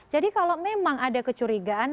jadi kalau memang ada kecurigaan